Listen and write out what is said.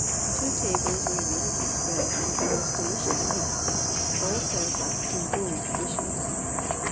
Two tables were immediately spread with the most delicious meats, all served up in gold dishes.